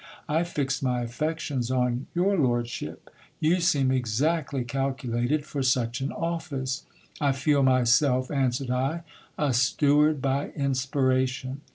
I fixed my affections on your lordship ; you seem exactly calculated for such an office. I feel myself, answered I, a steward by inspiration.